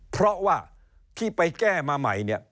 เพราะว่าที่ไปแก้มาใหม่